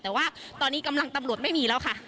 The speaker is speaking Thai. แต่ว่าตอนนี้กำลังตำรวจไม่มีแล้วค่ะ